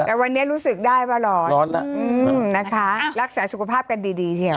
แต่วันนี้รู้สึกได้ว่าร้อนร้อนแล้วนะคะรักษาสุขภาพกันดีดีเชีย